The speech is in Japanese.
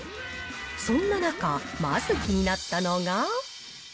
そんな中、まず気になったのが。